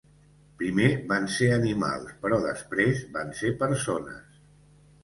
Primer van ser animals, però després van ser persones.